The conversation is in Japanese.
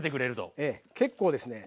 結構ですね